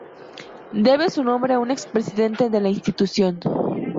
Debe su nombre a un expresidente de la institución.